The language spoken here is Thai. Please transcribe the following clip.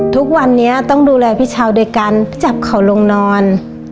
ทุกวันนี้ต้องดูแลพี่เช้าโดยการจับเขาลงนอน